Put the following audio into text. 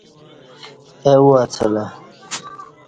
اہ اُواڅلہ